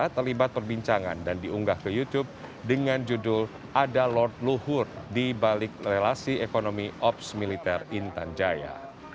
terlibat perbincangan dan diunggah ke youtube dengan judul ada lord luhur di balik relasi ekonomi ops militer intan jaya